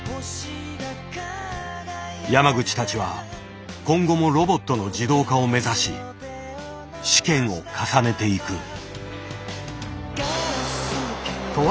山口たちは今後もロボットの自動化を目指し試験を重ねていく。